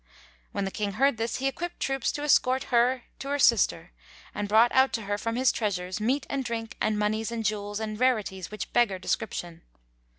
When the King heard this, he equipped troops to escort her to her sister and brought out to her from his treasuries meat and drink and monies and jewels and rarities which beggar description.